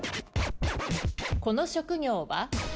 この職業は？